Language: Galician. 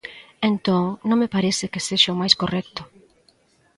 Entón, non me parece que sexa o máis correcto.